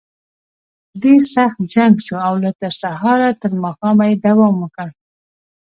ډېر سخت جنګ شو او له سهاره تر ماښامه یې دوام وکړ.